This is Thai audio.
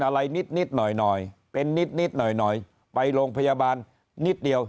อะไรนิดหน่อยเป็นนิดหน่อยไปโรงพยาบาลนิดเดียว